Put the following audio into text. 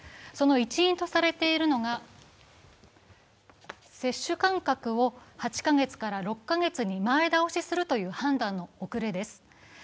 その一因とされているのが、接種間隔を８カ月から６カ月に前倒しするという判断の遅れです。